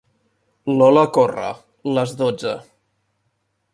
Lola corre, les dotze.